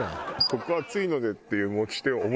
「ここ熱いので」っていう。